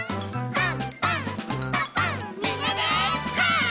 パン！